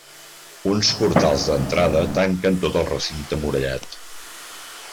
Uns portals d'entrada tanquen tot el recinte murallat.